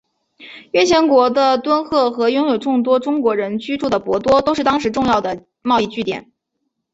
越前国的敦贺和拥有众多中国人所居住的博多都是当时重要的贸易据点。